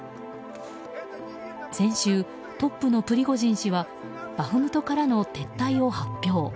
先週、トップのプリゴジン氏はバフムトからの撤退を発表。